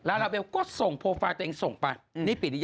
ลาลาเบลก็ส่งโพลไฟล์ตัวเองส่งไป